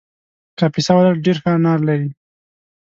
کاپیسا ولایت ډېر ښه انار لري